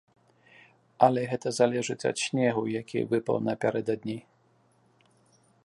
Але гэта залежыць ад снегу, які выпаў напярэдадні.